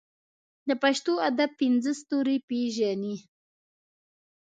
د پښتو ادب پنځه ستوري پېژنې.